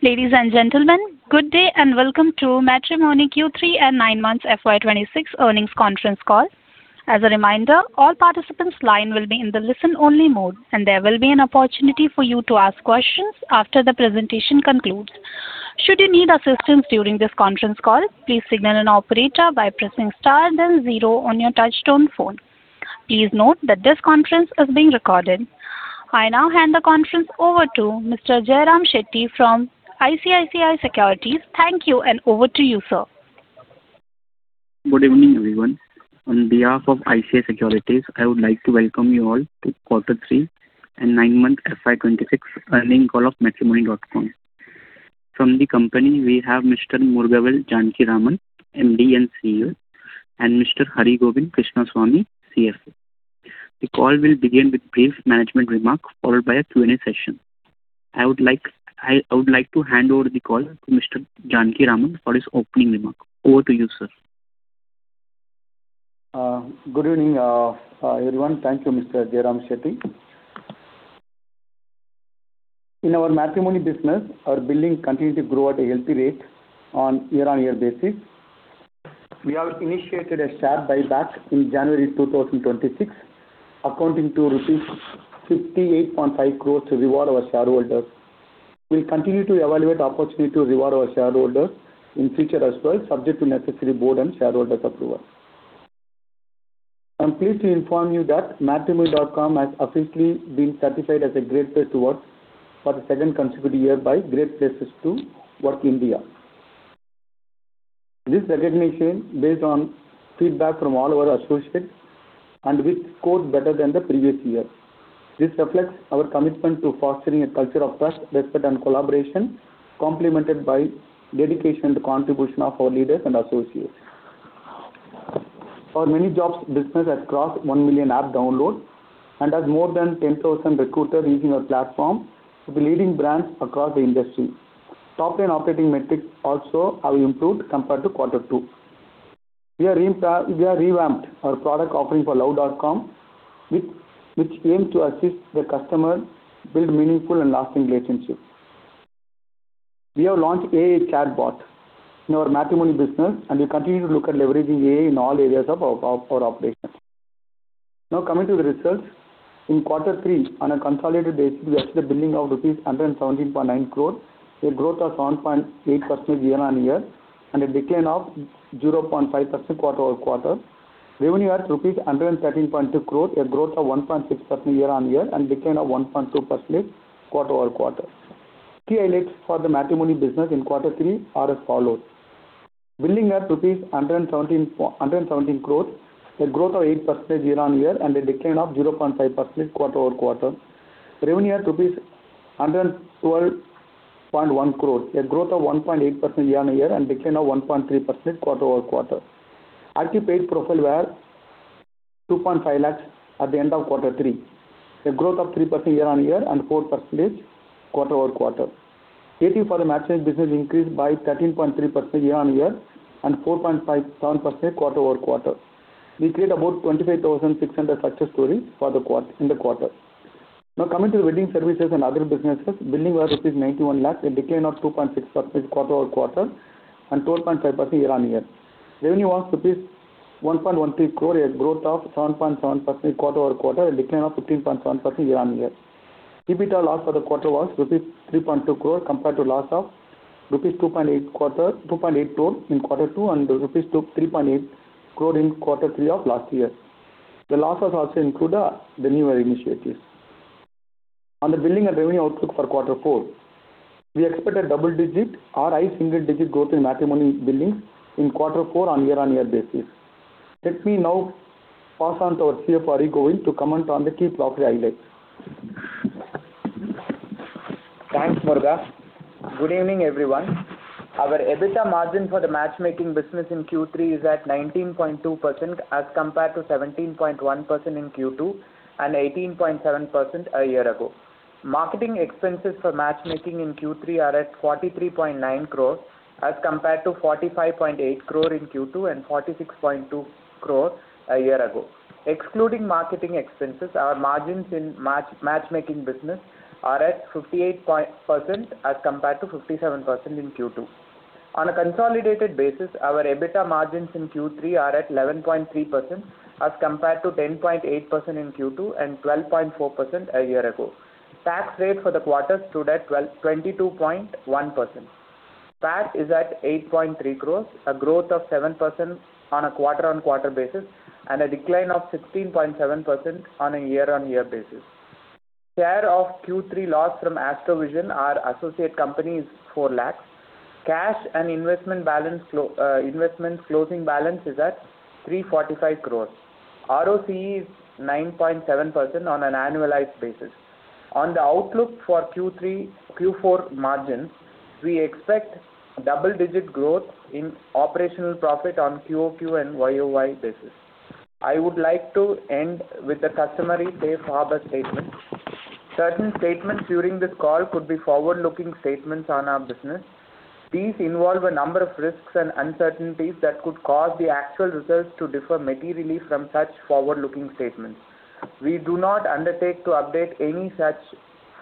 Ladies and gentlemen, good day, and welcome to Matrimony Q3 and nine months FY 2026 earnings conference call. As a reminder, all participants' lines will be in the listen-only mode, and there will be an opportunity for you to ask questions after the presentation concludes. Should you need assistance during this conference call, please signal an operator by pressing star then zero on your touchtone phone. Please note that this conference is being recorded. I now hand the conference over to Mr. Jayram Shetty from ICICI Securities. Thank you, and over to you, sir. Good evening, everyone. On behalf of ICICI Securities, I would like to welcome you all to quarter three and nine-month FY 2026 earnings call of Matrimony.com. From the company, we have Mr. Murugavel Janakiraman, MD and CEO, and Mr. Harigovind Krishnasamy, CFO. The call will begin with brief management remarks, followed by a Q&A session. I would like to hand over the call to Mr. Janakiraman for his opening remarks. Over to you, sir. Good evening, everyone. Thank you, Mr. Jayram Shetty. In our matrimony business, our billing continued to grow at a healthy rate on year-on-year basis. We have initiated a share buyback in January 2026, amounting to rupees 58.5 crores to reward our shareholders. We'll continue to evaluate opportunity to reward our shareholders in future as well, subject to necessary board and shareholders approval. I'm pleased to inform you that Matrimony.com has officially been certified as a Great Place to Work for the second consecutive year by Great Place to Work India. This recognition based on feedback from all our associates, and we scored better than the previous year. This reflects our commitment to fostering a culture of trust, respect, and collaboration, complemented by dedication and contribution of our leaders and associates. Our ManyJobs business has crossed 1 million app downloads and has more than 10,000 recruiters using our platform to the leading brands across the industry. Top-line operating metrics also have improved compared to quarter two. We have revamped our product offering for Luv.com, which aims to assist the customer build meaningful and lasting relationships. We have launched AI chatbot in our Matrimony business, and we continue to look at leveraging AI in all areas of our operations. Now, coming to the results. In quarter three, on a consolidated basis, we have the billing of rupees 117.9 crore, a growth of 7.8% year-over-year, and a decline of 0.5% quarter-over-quarter. Revenue at rupees 113.2 crore, a growth of 1.6% year-on-year and decline of 1.2% quarter-over-quarter. Key highlights for the matrimony business in quarter three are as follows: billing at 117 crore, a growth of 8% year-on-year and a decline of 0.5% quarter-over-quarter. Revenue at INR 112.1 crore, a growth of 1.8% year-on-year and decline of 1.3% quarter-over-quarter. Active paid profile were 2.5 lakh at the end of quarter three, a growth of 3% year-on-year and 4% quarter-over-quarter. ATV for the matchmaking business increased by 13.3% year-on-year and 4.57% quarter-over-quarter. We create about 25,600 success stories in the quarter. Now, coming to the wedding services and other businesses, billing was rupees 91 lakhs, a decline of 2.6% quarter-over-quarter and 12.5% year-on-year. Revenue was INR 1.13 crore, a growth of 7.7% quarter-over-quarter, a decline of 15.7% year-on-year. EBITDA loss for the quarter was rupees 3.2 crores, compared to loss of 2.8 crores in quarter two and rupees 3.8 crore in quarter three of last year. The losses also include our newer initiatives. On the billing and revenue outlook for quarter four, we expect a double-digit or high single-digit growth in Matrimony billings in quarter four on year-on-year basis. Let me now pass on to our CFO, Harigovind, to comment on the key profit highlights. Thanks, Muruga. Good evening, everyone. Our EBITDA margin for the matchmaking business in Q3 is at 19.2%, as compared to 17.1% in Q2 and 18.7% a year ago. Marketing expenses for matchmaking in Q3 are at 43.9 crores, as compared to 45.8 crore in Q2 and 46.2 crores a year ago. Excluding marketing expenses, our margins in matchmaking business are at 58%, as compared to 57% in Q2. On a consolidated basis, our EBITDA margins in Q3 are at 11.3%, as compared to 10.8% in Q2 and 12.4% a year ago. Tax rate for the quarter stood at 22.1%. Tax is at 8.3 crore, a growth of 7% on a quarter-on-quarter basis, and a decline of 16.7% on a year-on-year basis. Share of Q3 loss fromAstro-Vision, our associate company, is 4 lakh. Cash and investment balance flow, investment closing balance is at 345 crore. ROCE is 9.7% on an annualized basis. On the outlook for Q4 margins, we expect double-digit growth in operational profit on QoQ and YoY basis. I would like to end with the customary safe harbor statement. Certain statements during this call could be forward-looking statements on our business.... These involve a number of risks and uncertainties that could cause the actual results to differ materially from such forward-looking statements. We do not undertake to update any such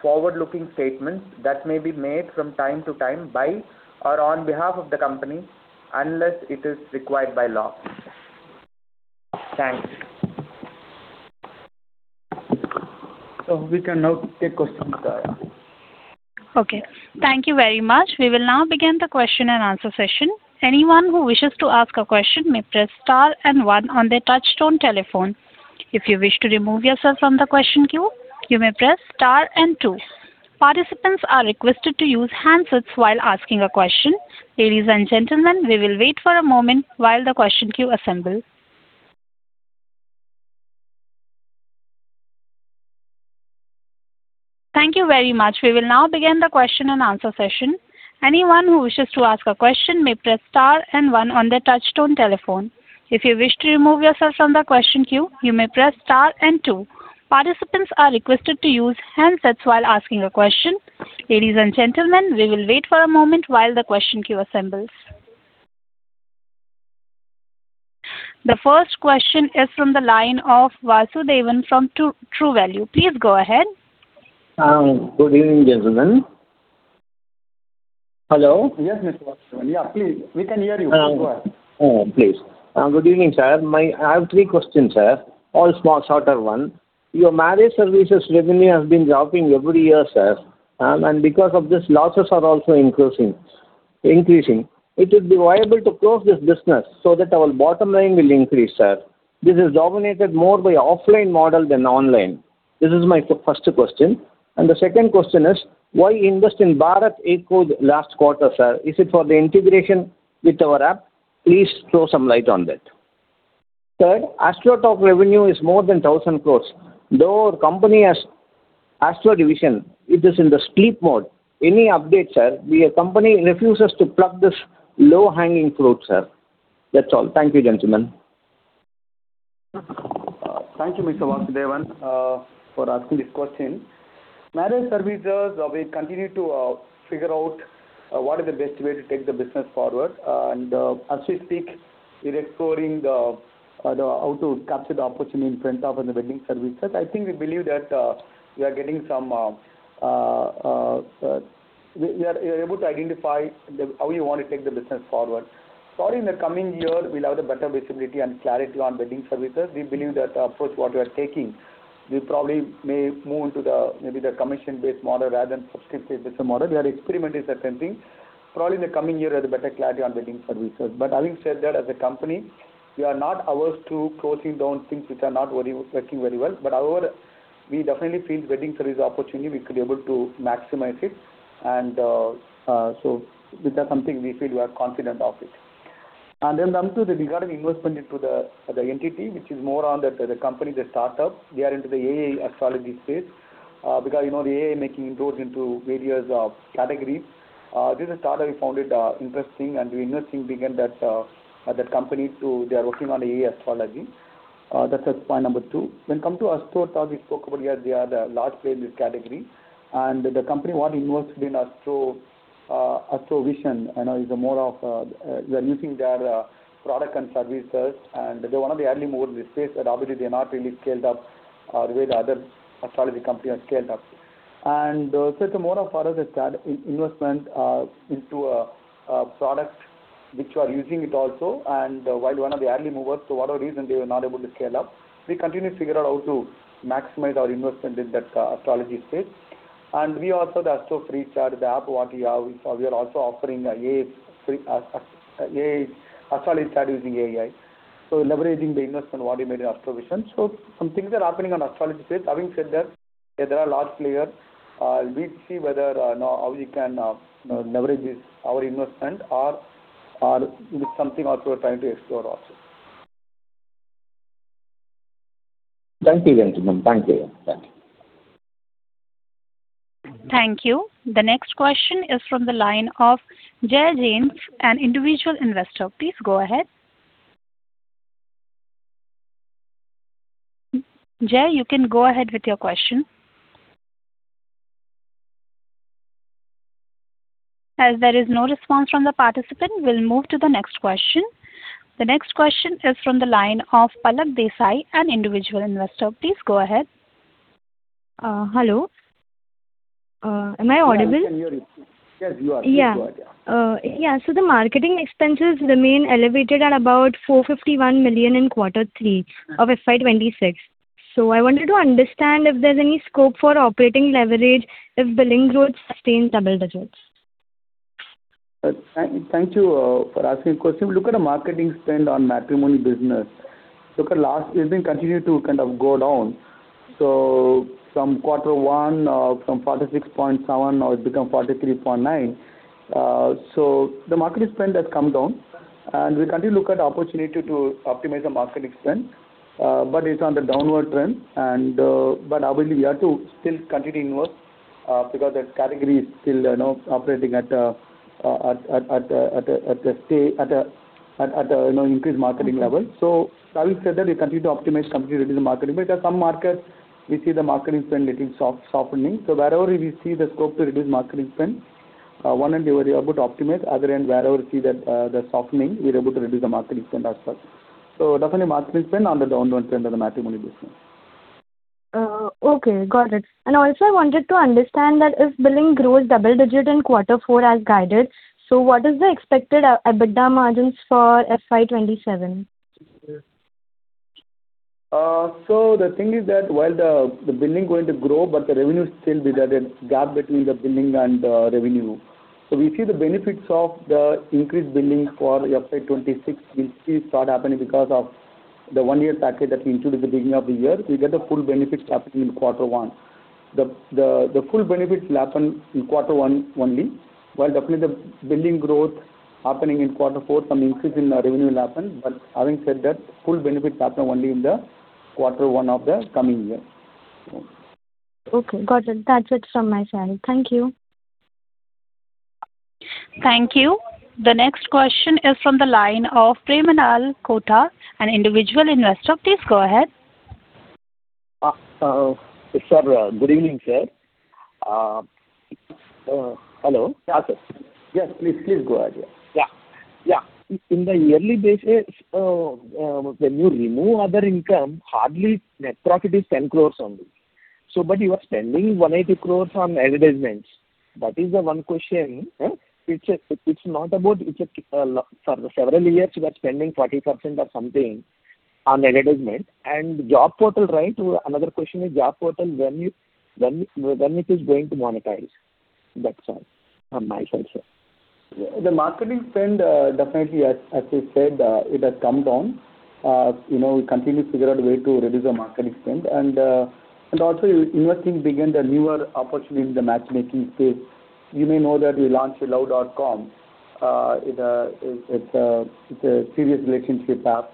forward-looking statements that may be made from time to time by or on behalf of the company, unless it is required by law. Thanks. So we can now take questions, guys. Okay, thank you very much. We will now begin the question and answer session. Anyone who wishes to ask a question may press star and one on their touch-tone telephone. If you wish to remove yourself from the question queue, you may press star and two. Participants are requested to use handsets while asking a question. Ladies and gentlemen, we will wait for a moment while the question queue assembles. Thank you very much. We will now begin the question and answer session. Anyone who wishes to ask a question may press star and one on their touch-tone telephone. If you wish to remove yourself from the question queue, you may press star and two. Participants are requested to use handsets while asking a question. Ladies and gentlemen, we will wait for a moment while the question queue assembles. The first question is from the line of Vasudevan from True Value. Please go ahead. Good evening, gentlemen. Hello? Yes, Mr. Vasudevan. Yeah, please. We can hear you. Go ahead. Good evening, sir. I have three questions, sir. All small, shorter one. Your marriage services revenue has been dropping every year, sir, and because of this, losses are also increasing, increasing. It would be viable to close this business so that our bottom line will increase, sir. This is dominated more by offline model than online. This is my first question. The second question is: Why invest in Bharat Ek Khoj last quarter, sir? Is it for the integration with our app? Please throw some light on that. Third, Astrotalk revenue is more than 1,000 crore. Though our company has Astro division, it is in the sleep mode. Any update, sir? The company refuses to plug this low-hanging fruit, sir. That's all. Thank you, gentlemen. Thank you, Mr. Vasudevan, for asking this question. Marriage services, we continue to figure out what is the best way to take the business forward. As we speak, we're exploring how to capture the opportunity in front of in the wedding services. I think we believe that we are able to identify how we want to take the business forward. Probably in the coming year, we'll have a better visibility and clarity on wedding services. We believe that approach what we are taking, we probably may move into maybe the commission-based model rather than subscription-based model. We are experimenting certain things. Probably in the coming year, we'll have better clarity on wedding services. But having said that, as a company, we are not averse to closing down things which are not working very well. But however, we definitely feel wedding service is an opportunity we could be able to maximize it. And so that's something we feel we are confident of it. And then coming to the regarding investment into the entity, which is more on the company, the startup. We are into the AI astrology space because, you know, the AI making inroads into various categories. This startup we found it interesting, and we are investing in that company that they are working on AI astrology. That's point number two. When it come to Astrotalk, we spoke about here, they are the large player in this category, and the company what invests in Astro, Astro-Vision, and is more of, we are using their product and services, and they are one of the early movers in the space, but obviously they are not really scaled up, the way the other astrology company has scaled up. So it's more of for us, it's that investment into a product which we are using it also, and while one of the early movers, for whatever reason, they were not able to scale up. We continue to figure out how to maximize our investment in that astrology space. And we also the Astro free chart, the app what we have. We are also offering AI free AI astrology chart using AI. So leveraging the investment what we made in Astro-Vision. So some things are happening on astrology space. Having said that, there are large players, we'll see whether or not, how we can, leverage this, our investment or, or it is something also we're trying to explore also. Thank you, gentlemen. Thank you. Thank you. Thank you. The next question is from the line of Jay James, an individual investor. Please go ahead. Jay, you can go ahead with your question. As there is no response from the participant, we'll move to the next question. The next question is from the line of Palak Desai, an individual investor. Please go ahead. Hello? Am I audible? Yes, we can hear you. Yes, you are. Yeah. Yeah, so the marketing expenses remain elevated at about 451 million in quarter three of FY 2026. So I wanted to understand if there's any scope for operating leverage if billing growth sustains double digits. Thank you for asking the question. Look at the marketing spend on matrimony business. Look at last. It's been continuing to kind of go down. So from quarter one, from 46.7, now it's become 43.9. So the marketing spend has come down, and we continue to look at the opportunity to optimize the marketing spend, but it's on the downward trend, and but obviously, we have to still continue to invest, because that category is still, you know, operating at a stay, you know, increased marketing level. So having said that, we continue to optimize, continue to reduce the marketing, because some markets, we see the marketing spend getting softening. So wherever we see the scope to reduce marketing spend. On one end, we were able to optimize. On the other end, wherever we see that softening, we're able to reduce the marketing spend as well. So definitely, marketing spend on the downward trend of the matrimony business. Okay, got it. And also I wanted to understand that if billing grows double digit in quarter four as guided, so what is the expected EBITDA margins for FY 2027? So the thing is that while the billing is going to grow, but the revenue still be there, the gap between the billing and the revenue. So we see the benefits of the increased billing for FY 2026, we see it start happening because of the one-year package that we included at the beginning of the year. We get the full benefits happening in quarter one. The full benefits will happen in quarter one only, while definitely the billing growth happening in quarter four, some increase in the revenue will happen. But having said that, full benefits happen only in the quarter one of the coming year. Okay, got it. That's it from my side. Thank you. Thank you. The next question is from the line of Premalal Kotha, an individual investor. Please go ahead. Sir, good evening, sir. Hello? Yeah, sir. Yes, please, please go ahead. Yeah. Yeah. On a yearly basis, when you remove other income, hardly net profit is 10 crore only. So but you are spending 180 crore on advertisements. That is the one question. It's not about; it's a, for several years you are spending 40% or something on advertisement and job portal, right? Another question is job portal, when it is going to monetize? That's all on my side, sir. The marketing spend, definitely, as I said, it has come down. You know, we continue to figure out a way to reduce the marketing spend. And also investing big in the newer opportunity in the matchmaking space. You may know that we launched Luv.com. It's a serious relationship app.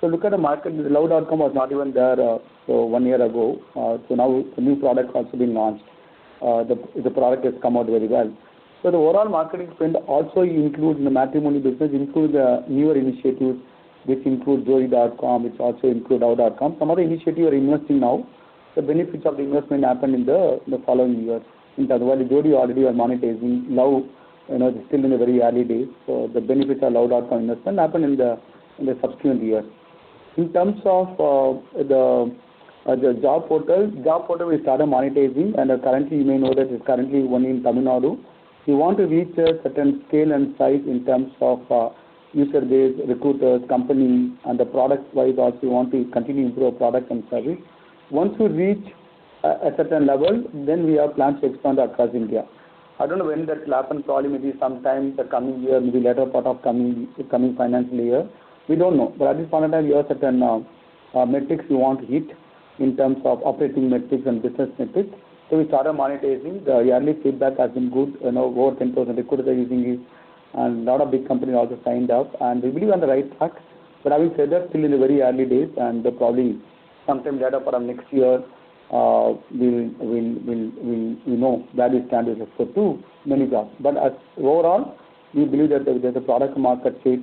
So look at the market, Luv.com was not even there, so one year ago. So now a new product has also been launched. The product has come out very well. So the overall marketing spend also include the matrimony business, include the newer initiatives, which include Jodii.com, which also include Luv.com. Some of the initiatives we are investing now, the benefits of the investment happen in the following years. In terms of Jodii, already we are monetizing. Now, you know, it's still in the very early days, so the benefits are allowed out for investment, happen in the subsequent years. In terms of the job portal we started monetizing, and currently you may know that it's currently only in Tamil Nadu. We want to reach a certain scale and size in terms of user base, recruiters, company, and the product wise, also want to continue to improve our product and service. Once we reach a certain level, then we have plans to expand across India. I don't know when that will happen, probably maybe sometime the coming year, maybe latter part of the coming financial year. We don't know. But at this point in time, we have certain metrics we want to hit in terms of operating metrics and business metrics. So we started monetizing. The early feedback has been good. You know, over 10,000 recruiters are using it, and a lot of big companies also signed up, and we believe we're on the right track. But having said that, still in the very early days, and probably sometime later part of next year, we will, we'll know where we stand with respect to ManyJobs. But as overall, we believe that there's a product market fit,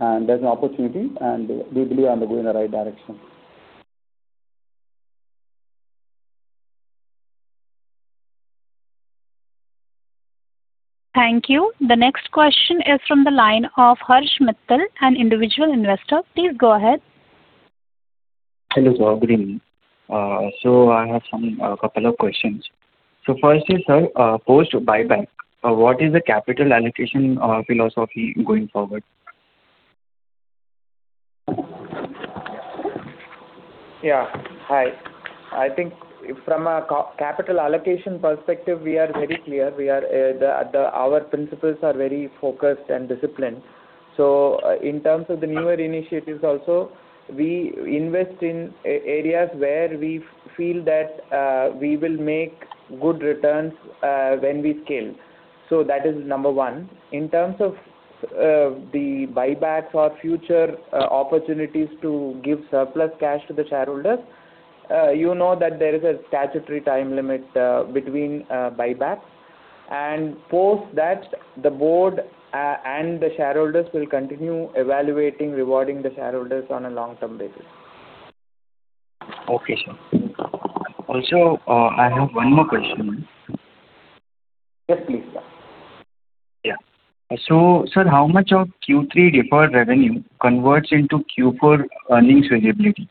and there's an opportunity, and we believe we are going in the right direction. Thank you. The next question is from the line of Harsh Mittal, an individual investor. Please go ahead. Hello, sir. Good evening. So I have some, a couple of questions. So firstly, sir, post buyback, what is the capital allocation philosophy going forward? Yeah, hi. I think from a capital allocation perspective, we are very clear. Our principals are very focused and disciplined. So in terms of the newer initiatives also, we invest in areas where we feel that we will make good returns when we scale. So that is number one. In terms of the buybacks or future opportunities to give surplus cash to the shareholders, you know that there is a statutory time limit between buyback. And post that, the board and the shareholders will continue evaluating, rewarding the shareholders on a long-term basis. Okay, sir. Also, I have one more question. Yes, please. Yeah. So, sir, how much of Q3 deferred revenue converts into Q4 earnings availability?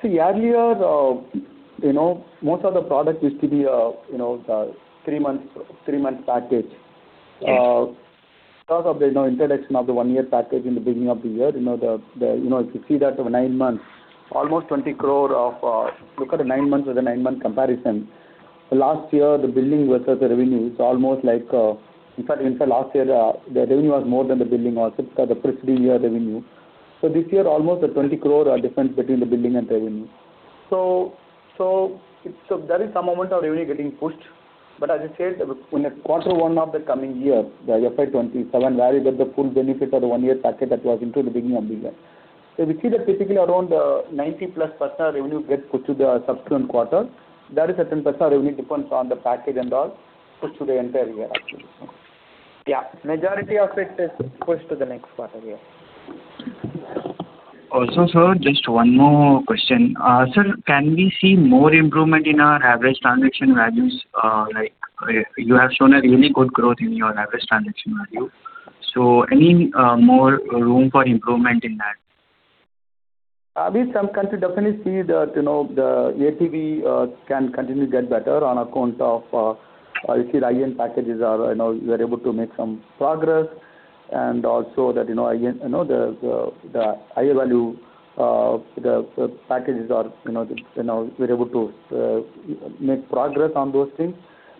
See, earlier, you know, most of the product used to be, you know, the three-month, three-month package. Yes. Because of the, you know, introduction of the one-year package in the beginning of the year, you know, the, the, you know, if you see that over nine months, almost 20 crore of... Look at the nine months with the nine-month comparison. Last year, the billing versus the revenue is almost like, in fact, in fact, last year, the, the revenue was more than the billing was, it's got the preceding year revenue. So this year, almost a 20 crore are difference between the billing and revenue. So, so, so there is some amount of revenue getting pushed. But as I said, in the quarter one of the coming year, the FY 2027, where you get the full benefit of the one-year package that was included in the beginning of the year. So we see that typically around 90%+ revenue gets put to the subsequent quarter. There is a 10% revenue difference on the package and all, put to the entire year actually. Yeah, majority of it is pushed to the next quarter, yeah. Also, sir, just one more question. Sir, can we see more improvement in our average transaction values? Like, you have shown a really good growth in your average transaction value. So any more room for improvement in that? We can definitely see that, you know, the ATV can continue to get better on account of if the high-end packages are, you know, we are able to make some progress. And also that, you know, again, you know, the higher value, the packages are, you know, now we're able to make progress on those things.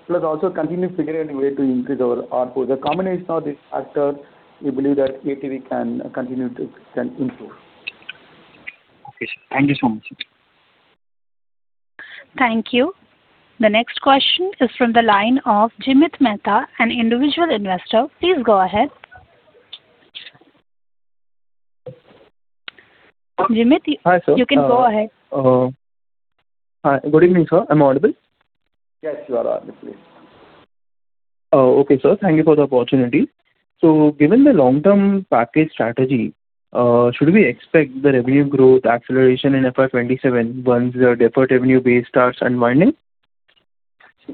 Plus, also continuing figuring way to increase our output. The combination of these factors, we believe that ATV can continue to improve. Okay. Thank you so much. Thank you. The next question is from the line of Jimit Mehta, an individual investor. Please go ahead. Jimit- Hi, sir. You can go ahead. Hi, good evening, sir. Am I audible? Yes, you are audible. Okay, sir. Thank you for the opportunity. So given the long-term package strategy, should we expect the revenue growth acceleration in FY 2027 once the deferred revenue base starts unwinding?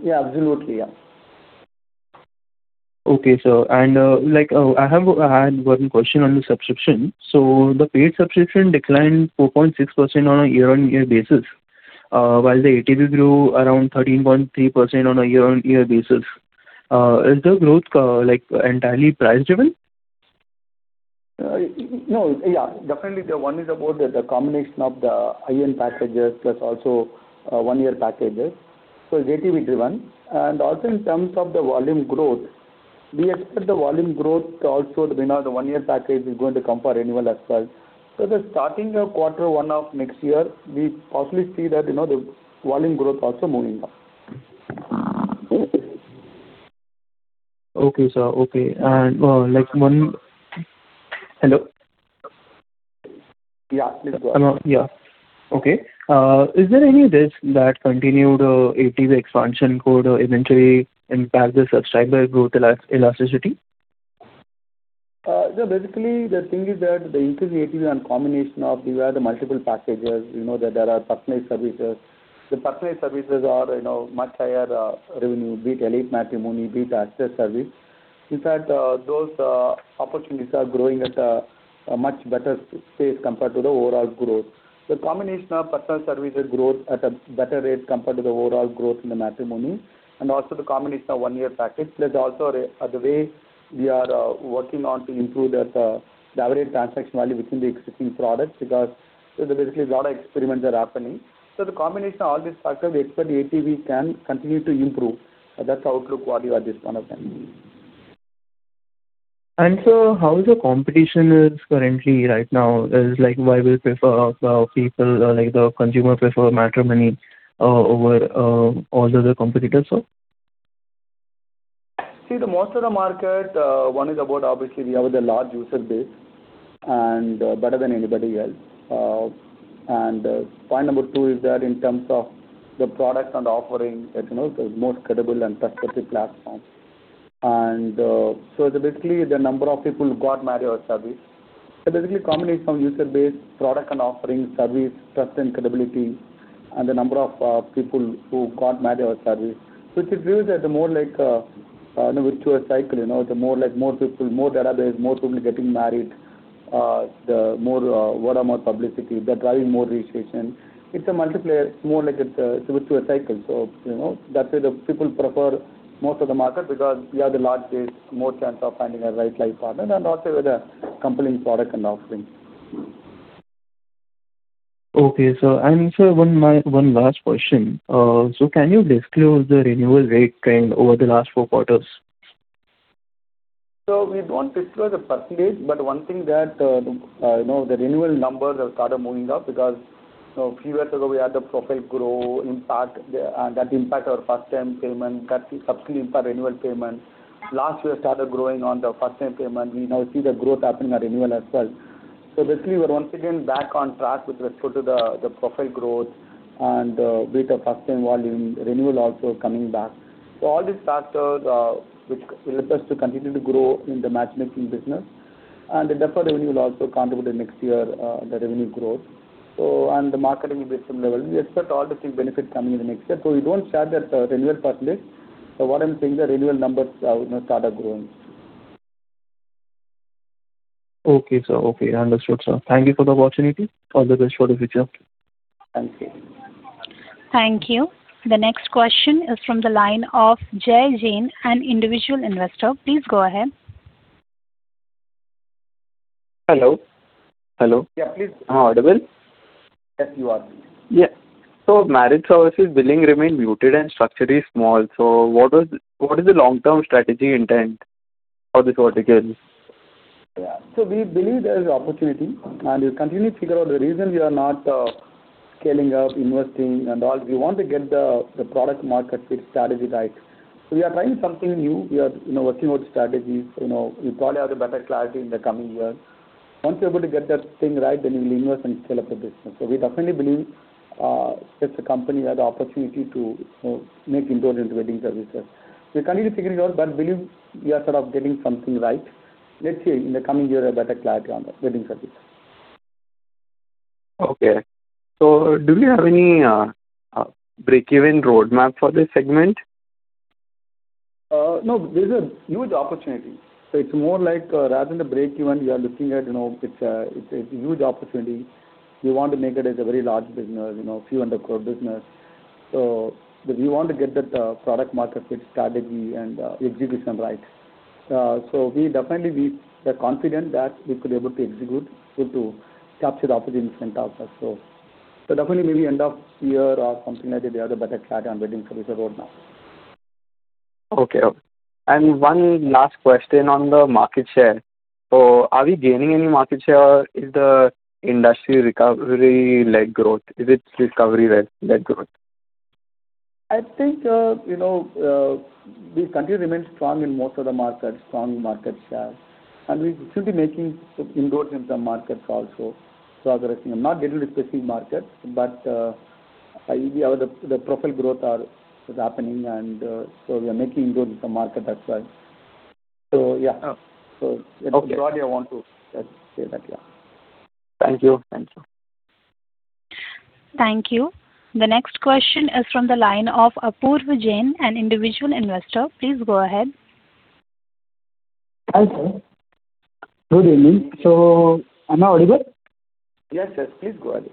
Yeah, absolutely, yeah. Okay, sir. And, like, I have, I had one question on the subscription. So the paid subscription declined 4.6% on a year-on-year basis, while the ATV grew around 13.3% on a year-on-year basis. Is the growth, like, entirely price driven? No. Yeah, definitely, the one is about the, the combination of the high-end packages, plus also, one-year packages, so ATB driven. And also in terms of the volume growth, we expect the volume growth to also be not a one-year package is going to come for renewal as well. So the starting of quarter one of next year, we possibly see that, you know, the volume growth also moving up. Okay, sir. Okay, and, like one... Hello? Yeah. Yeah. Okay. Is there any risk that continued ATV expansion could eventually impact the subscriber growth elasticity? So basically, the thing is that the increase in ATV is a combination of we have the multiple packages, you know, that there are personalized services. The personalized services are, you know, much higher revenue, be it Elite Matrimony, be it the Assisted Service. In fact, those opportunities are growing at a much better pace compared to the overall growth. The combination of personal services growth at a better rate compared to the overall growth in the matrimony, and also the combination of one-year package. Plus also the way we are working on to improve that the average transaction value within the existing products, because so basically a lot of experiments are happening. So the combination of all these factors, we expect the ATV can continue to improve. That's the outlook what we have this point of time. Sir, how is the competition is currently right now? Is like, why we prefer, people, like, the consumer prefer Matrimony, over, all the other competitors, sir? See, the most of the market, one is about obviously we have the large user base and better than anybody else. And point number two is that in terms of the products and the offerings, that you know, the most credible and trusted platform. And so basically, the number of people who got married our service. So basically a combination of user base, product and offerings, service, trust and credibility, and the number of people who got married our service, which is really the more like virtuous cycle, you know, the more like more people, more data there is, more people getting married, the more word-of-mouth publicity they're driving more registration. It's a multiplier, more like it's a virtuous cycle. So, you know, that's why the people prefer most of the market, because we are the large base, more chance of finding a right life partner, and also with a compelling product and offering. Okay, sir. And sir, one last question. So, can you disclose the renewal rate trend over the last four quarters? So we don't disclose the percentage, but one thing that, you know, the renewal numbers are started moving up because, you know, a few years ago, we had the profile grow, impact, that impact our first-time payment, that subsequently impact renewal payment. Last year, started growing on the first-time payment. We now see the growth happening at renewal as well. So basically, we are once again back on track with respect to the profile growth and with the first-time volume, renewal also coming back. So all these factors, which help us to continue to grow in the matchmaking business, and the deferred revenue will also contribute next year, the revenue growth. So, and the marketing investment level, we expect all the three benefits coming in the next year. So we don't share that, renewal percentage. What I'm saying, the renewal numbers are, you know, started growing. Okay, sir. Okay, understood, sir. Thank you for the opportunity. All the best for the future. Thank you. Thank you. The next question is from the line of Jay Jain, an individual investor. Please go ahead. Hello? Hello. Yeah, please. Am I audible? Yes, you are. Yeah. So Marriage Services billing remain muted and structurally small. So what is, what is the long-term strategy intent for this vertical? Yeah. So we believe there is opportunity, and we'll continue to figure out the reason we are not scaling up, investing and all. We want to get the, the product market fit strategy right. So we are trying something new. We are, you know, working with strategies. You know, we probably have a better clarity in the coming years... Once you're able to get that thing right, then you will invest and scale up the business. So we definitely believe such a company has the opportunity to make inroads into wedding services. We're currently figuring it out, but believe we are sort of getting something right. Let's see, in the coming year, a better clarity on the wedding services. Okay. So do you have any breakeven roadmap for this segment? No, there's a huge opportunity. So it's more like, rather than the breakeven, we are looking at, you know, it's a, it's a huge opportunity. We want to make it as a very large business, you know, few hundred crore business. So we want to get that, product market fit strategy and, execution right. So we definitely, we are confident that we could be able to execute to capture the opportunity in front of us. So, so definitely maybe end of year or something like that, we have a better clarity on wedding services roadmap. Okay. One last question on the market share. So are we gaining any market share? Is the industry recovery-led growth? Is it recovery-led, led growth? I think, you know, we continue to remain strong in most of the markets, strong market share, and we should be making some inroads in some markets also. So I'm not getting into specific markets, but, the profile growth are, is happening, and, so we are making good in some markets. That's why. So yeah. Oh. So- Okay. I want to say that, yeah. Thank you. Thank you. Thank you. The next question is from the line of Apurva Jain, an individual investor. Please go ahead. Hi, sir. Good evening. Am I audible? Yes, sir. Please go ahead.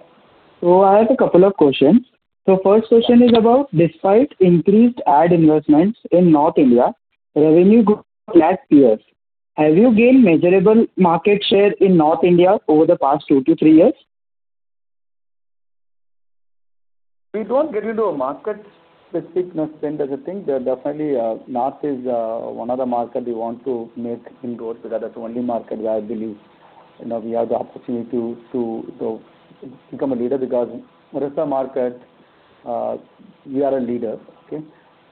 I have a couple of questions. First question is about, despite increased ad investments in North India, revenue grew last year. Have you gained measurable market share in North India over the past 2-3 years? We don't get into a market-specific spend as a thing. Definitely, North India is one of the markets we want to make inroads, because that's the only market where I believe, you know, we have the opportunity to become a leader, because the rest of the market, we are a leader, okay?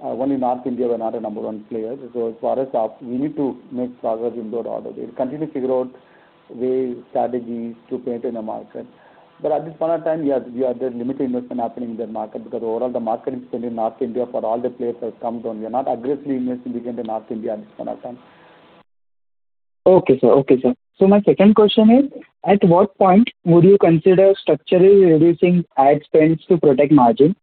Only North India, we're not a number one player. So as far as South India, we need to make progress in those areas. We continue to figure out ways, strategies to penetrate in the market. But at this point of time, yes, we are... There's limited investment happening in that market, because overall, the marketing spend in North India for all the players has come down. We are not aggressively investing within North India at this point of time. Okay, sir. Okay, sir. So my second question is, at what point would you consider structurally reducing ad spends to protect margin?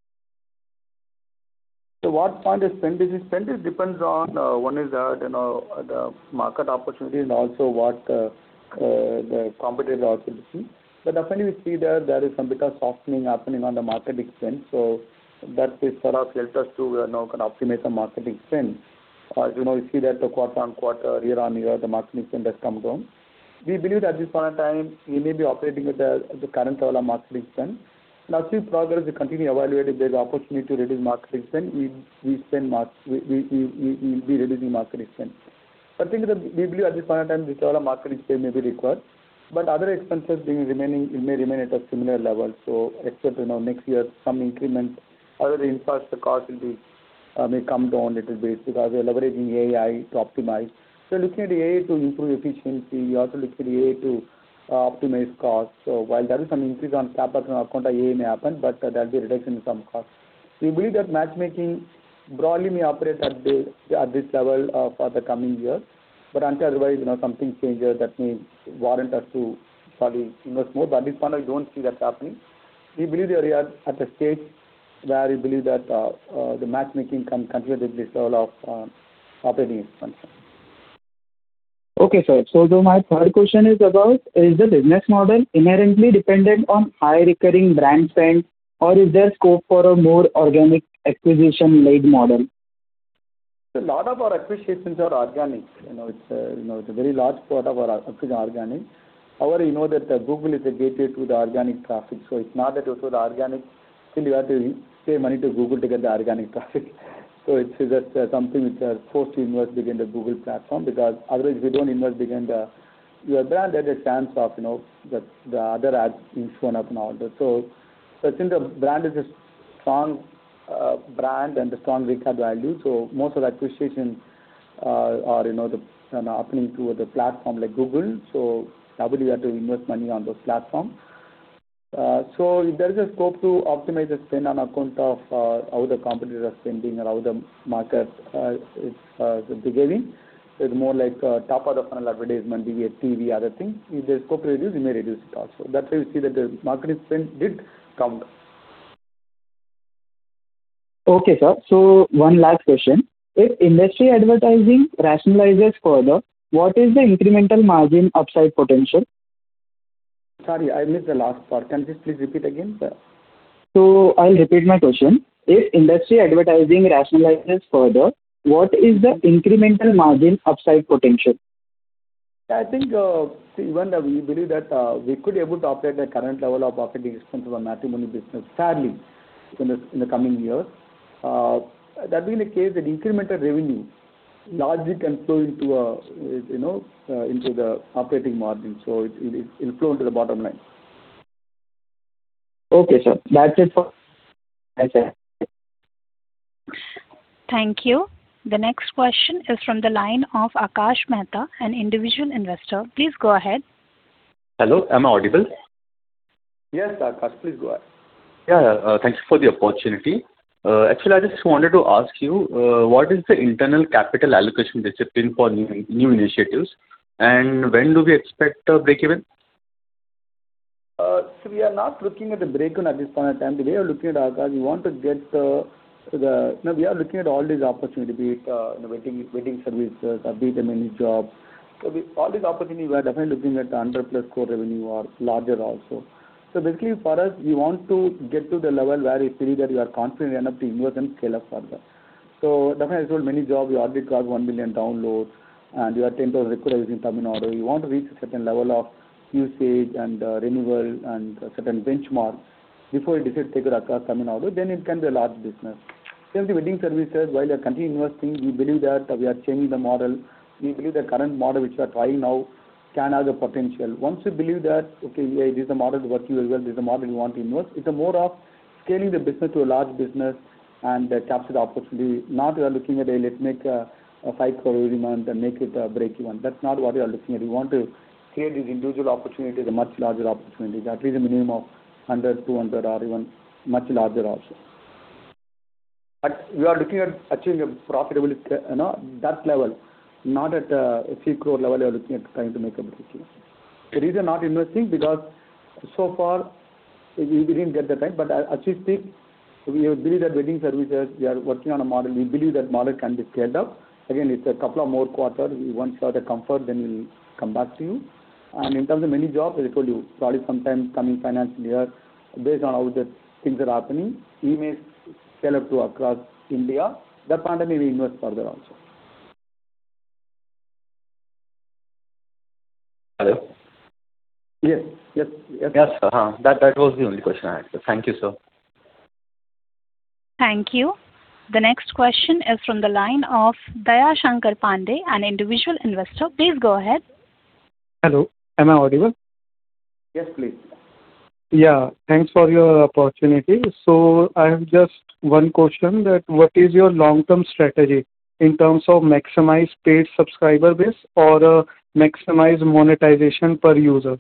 at what point is spending? Spending depends on one is that, you know, the market opportunity and also what the competitive opportunity. But definitely, we see that there is some bit of softening happening on the marketing spend, so that is sort of helped us to, you know, kind of optimize the marketing spend. You know, you see that the quarter-on-quarter, year-on-year, the marketing spend has come down. We believe at this point in time, we may be operating at the current level of marketing spend. Now, see, progress, we continue to evaluate. If there's an opportunity to reduce marketing spend, we reducing marketing spend. I think that we believe at this point in time, this level of marketing spend may be required, but other expenses being remaining, it may remain at a similar level. So except, you know, next year, some increments, other infrastructure costs will be may come down a little bit because we are leveraging AI to optimize. So looking at AI to improve efficiency, we are also looking at AI to optimize costs. So while there is some increase on capital on account of AI may happen, but there'll be a reduction in some costs. We believe that matchmaking broadly may operate at the, at this level, for the coming year, but until otherwise, you know, something changes that may warrant us to probably invest more, but at this point, I don't see that happening. We believe that we are at a stage where we believe that the matchmaking can continue at this level of operating function. Okay, sir. So my third question is about, is the business model inherently dependent on high recurring brand spend, or is there scope for a more organic acquisition-led model? So a lot of our acquisitions are organic. You know, it's a, you know, it's a very large part of our acquisition, organic. However, you know that Google is the gateway to the organic traffic, so it's not that it's organic. Still, you have to pay money to Google to get the organic traffic. So it's just something which are forced to invest behind the Google platform, because otherwise, if you don't invest behind your brand, there's a chance of, you know, that the other ads being shown up and all that. So I think the brand is a strong brand and a strong value, so most of the acquisitions are, you know, happening through the platform like Google, so obviously you have to invest money on those platforms. So there is a scope to optimize the spend on account of how the competitors are spending or how the market is behaving. It's more like top of the funnel advertisement, be it TV, other things. If there's scope to reduce, we may reduce it also. That's why you see that the marketing spend did come down. Okay, sir. So one last question: If industry advertising rationalizes further, what is the incremental margin upside potential? Sorry, I missed the last part. Can you please repeat again, sir? I'll repeat my question: If industry advertising rationalizes further, what is the incremental margin upside potential? I think, see, even we believe that we could be able to operate at the current level of operating expenses of Matrimony business, sadly, in the coming years. That being the case, the incremental revenue largely can flow into, you know, into the operating margin, so it, it'll flow into the bottom line. Okay, sir. That's it for... Thanks, sir. ...Thank you. The next question is from the line of Akash Mehta, an individual investor. Please go ahead. Hello, am I audible? Yes, Akash, please go ahead. Yeah, thank you for the opportunity. Actually, I just wanted to ask you, what is the internal capital allocation discipline for new initiatives, and when do we expect breakeven? So we are not looking at the breakeven at this point in time. The way we are looking at Akash, we want to get, we are looking at all these opportunities, be it the wedding wedding services, or be it the ManyJobs. So all these opportunities, we are definitely looking at the INR 100+ crore revenue or larger also. So basically, for us, we want to get to the level where we feel that we are confident enough to invest and scale up further. So definitely, I told ManyJobs, we already crossed 1 billion downloads, and we have 10,000 recruiters in Tamil Nadu. We want to reach a certain level of usage and renewal and a certain benchmark before we decide to take across Tamil Nadu, then it can be a large business. Same with the wedding services, while we are continuing investing, we believe that we are changing the model. We believe the current model, which we are trying now, can have the potential. Once we believe that, okay, yeah, this is the model to work really well, this is the model we want to invest. It's more of scaling the business to a large business and capture the opportunity, not we are looking at, let's make a INR 5 crore every month and make it breakeven. That's not what we are looking at. We want to create these individual opportunities, a much larger opportunity, at least a minimum of 100, 200, or even much larger also. But we are looking at achieving a profitability, you know, that level, not at a few crore level, we are looking at trying to make a breakeven. The reason not investing, because so far we didn't get the time, but actually, still, we believe that wedding services, we are working on a model. We believe that model can be scaled up. Again, it's a couple of more quarter. Once we have the comfort, then we'll come back to you. And in terms of ManyJobs, I told you, probably sometime coming financial year, based on how the things are happening, we may scale up to across India. That point, maybe we invest further also. Hello? Yes, yes, yes. That, that was the only question I had. Thank you, sir. Thank you. The next question is from the line of Daya Shankar Pandey, an individual investor. Please go ahead. Hello, am I audible? Yes, please. Yeah, thanks for your opportunity. So I have just one question, that what is your long-term strategy in terms of maximize paid subscriber base or, maximize monetization per user?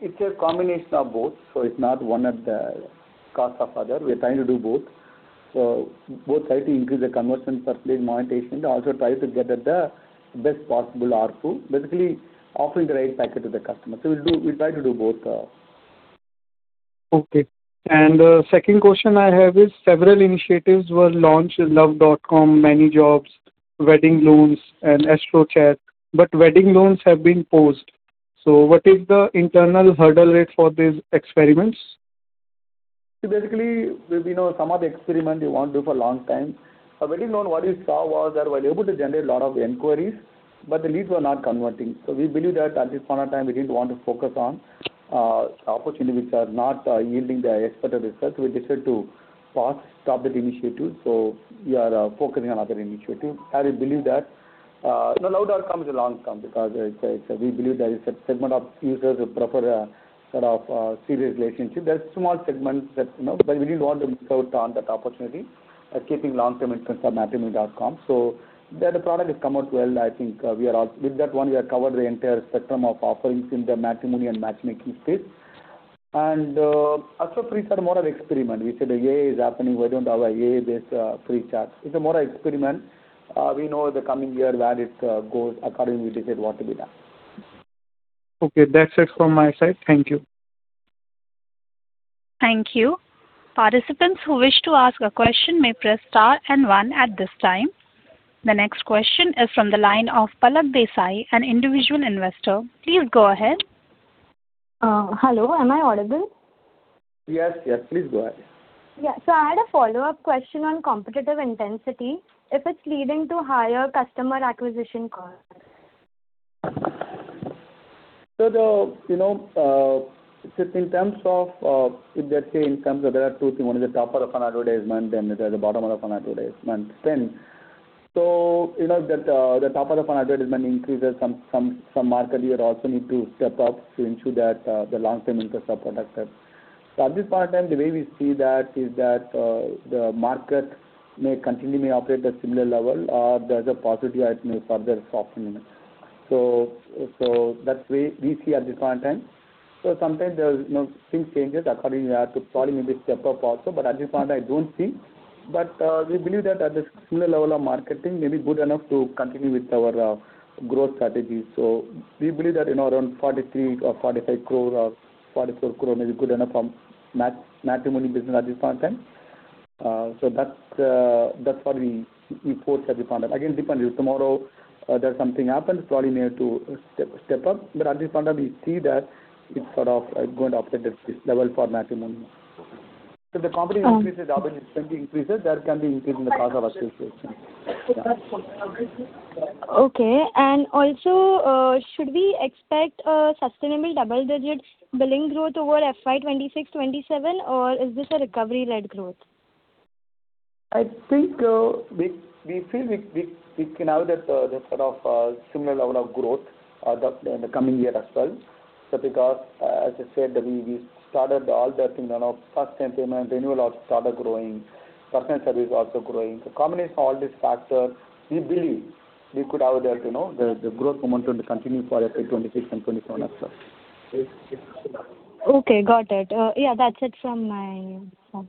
It's a combination of both, so it's not one at the cost of other. We are trying to do both. So both try to increase the conversion per paid monetization and also try to get at the best possible ARPU. Basically, offering the right package to the customer. So we'll try to do both. Okay. And the second question I have is, several initiatives were launched in Luv.com, ManyJobs.com, WeddingLoans.com, and AstroChat, but WeddingLoans.com has been paused. So what is the internal hurdle rate for these experiments? So basically, we know some of the experiment we won't do for a long time. A Wedding Loan, what we saw was that we were able to generate a lot of inquiries, but the leads were not converting. So we believe that at this point of time, we didn't want to focus on, opportunities which are not, yielding the expected results. We decided to pause, stop that initiative. So we are, focusing on other initiatives. And we believe that, you know, Luv.com is a long term because it's a, it's a-- we believe there is a segment of users who prefer a sort of, serious relationship. There's small segments that, you know, but we didn't want to miss out on that opportunity, keeping long-term interests of Matrimony.com. So there the product has come out well. I think, we are all... With that one, we have covered the entire spectrum of offerings in the matrimony and matchmaking space. Astro free chart is more of experiment. We said, AI is happening, why don't have a AI-based free chart? It's a more experiment. We know in the coming year where it goes, accordingly, we decide what to be done. Okay, that's it from my side. Thank you. Thank you. Participants who wish to ask a question may press Star and One at this time. The next question is from the line of Palak Desai, an individual investor. Please go ahead. Hello, am I audible? Yes, yes, please go ahead. Yeah. So I had a follow-up question on competitive intensity, if it's leading to higher customer acquisition costs? So the, you know, just in terms of, let's say in terms of there are two things, one is the top of an advertisement and the other bottom of an advertisement spend. So you know that, the top of an advertisement increases some market, you also need to step up to ensure that, the long-term interests are protected. So at this point in time, the way we see that is that, the market may continually operate at a similar level or there's a possibility it may further soften. So, so that's why we see at this point in time. So sometimes there's, you know, things changes, accordingly, we have to probably maybe step up also, but at this point, I don't see. But we believe that at the similar level of marketing may be good enough to continue with our growth strategy. So we believe that in around 43 or 45 crore or 44 crore may be good enough from Matrimony business at this point in time. So that's what we foresee at this point in time. Again, it depends, if tomorrow there's something happens, probably we need to step up. But at this point of time, we see that it's sort of going to stay at this level for Matrimony. So the company increases, obviously, simply increases, there can be increase in the cost of acquisition. Okay. And also, should we expect a sustainable double-digit billing growth over FY 2026, 2027, or is this a recovery-led growth? I think we feel we can have that sort of similar level of growth in the coming year as well. So because as I said, we started all that in our first time payment, renewal also started growing, certain service also growing. So combination of all these factors, we believe we could have that, you know, the growth momentum to continue for FY 2026 and 2027 as well. Okay, got it. Yeah, that's it from my end.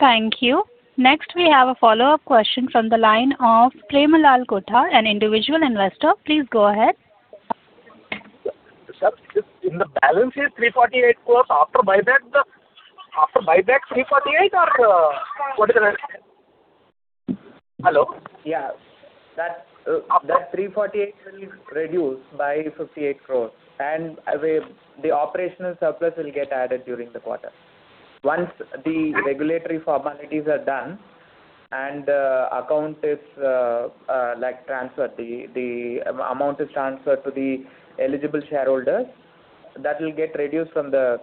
Thank you. Next, we have a follow-up question from the line of Premalal Kotha, an individual investor. Please go ahead. Sir, just in the balance sheet, 348 crore, after buyback the, after buyback 348 or, what is the...? Hello? Yeah. That 348 will reduce by 58 crore, and the operational surplus will get added during the quarter. Once the regulatory formalities are done and account is like transferred, the amount is transferred to the eligible shareholders, that will get reduced from the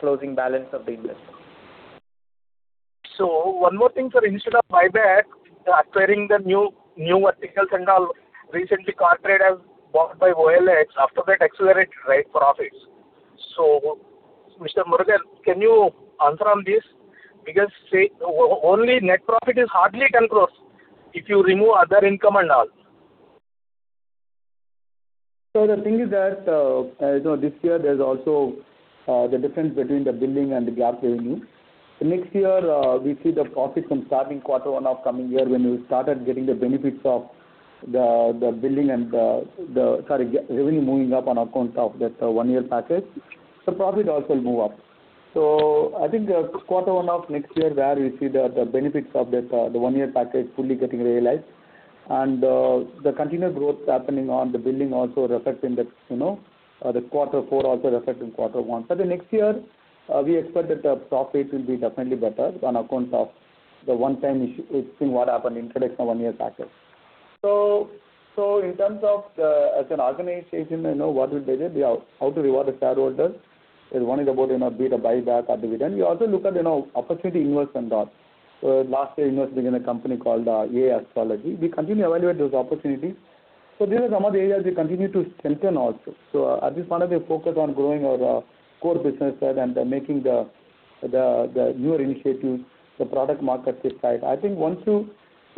closing balance of the investment. So one more thing, sir, instead of buyback, acquiring the new articles and all, recently CarTrade has bought by OLX, after that accelerate, right, profits. So Mr. Murugan, can you answer on this? Because say, only net profit is hardly 10 crore if you remove other income and all. So the thing is that, you know, this year there's also the difference between the billing and the gap revenue. So next year, we see the profits from starting quarter one of coming year, when we started getting the benefits of the billing and the revenue moving up on accounts of that one-year package. So profit also move up. So I think, quarter one of next year, where we see the benefits of this the one-year package fully getting realized. And the continued growth happening on the billing also reflecting that, you know, the quarter four also reflect in quarter one. But the next year, we expect that the profit will be definitely better on accounts of the one-time issue, seeing what happened in introduction of one-year package. So in terms of the, as an organization, you know, what we did is, we are how to reward the shareholder. And one is about, you know, be it a buyback or dividend. We also look at, you know, opportunity to invest in that. So last year, investing in a company called AI Astrology. We continue to evaluate those opportunities. So these are some of the areas we continue to strengthen also. So at this point, we focus on growing our core businesses and then making the newer initiatives, the product market fit right. I think once you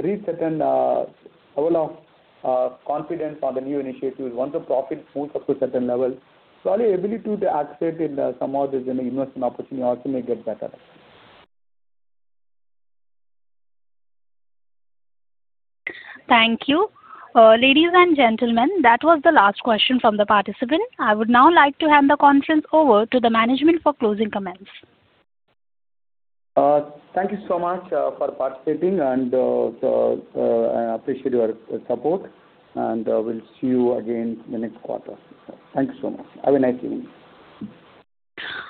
reach certain level of confidence on the new initiatives, once the profit moves up to a certain level, so our ability to access in some of these, you know, investment opportunity also may get better. Thank you. Ladies and gentlemen, that was the last question from the participant. I would now like to hand the conference over to the management for closing comments. Thank you so much for participating, and I appreciate your support, and we'll see you again in the next quarter. Thank you so much. Have a nice evening.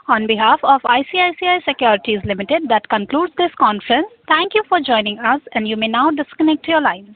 On behalf of ICICI Securities Limited, that concludes this conference. Thank you for joining us, and you may now disconnect your line.